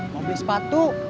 mau beli sepatu